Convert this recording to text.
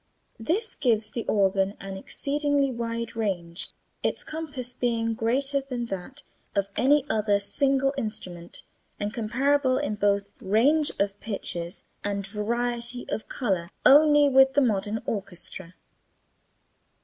This gives the organ an exceedingly wide range, its compass being greater than that of any other single instrument, and comparable in both range of pitches and variety of color only with the modern orchestra.